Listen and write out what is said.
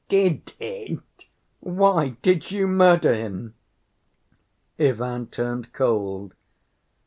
"Did it? Why, did you murder him?" Ivan turned cold.